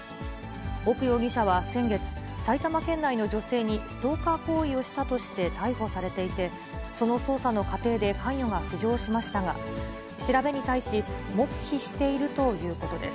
奥容疑者は先月、埼玉県内の女性にストーカー行為をしたとして逮捕されていて、その捜査の過程で関与が浮上しましたが、調べに対し黙秘しているということです。